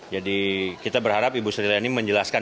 jadi kita berharap ibu sri mulyani menjelaskan